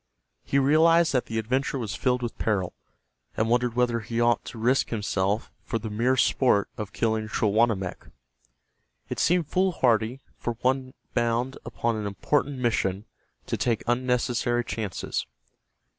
He realized that the adventure was filled with peril, and wondered whether he ought to risk himself for the mere sport of killing Schawanammek. It seemed foolhardy for one bound upon an important mission to take unnecessary chances.